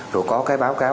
rồi có cái báo cáo